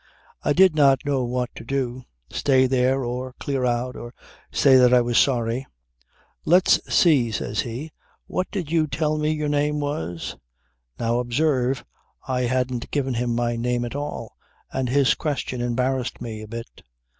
I did not know what to do: stay there, or clear out, or say that I was sorry. "Let's see," says he, "what did you tell me your name was?" "Now, observe, I hadn't given him my name at all and his question embarrassed me a bit.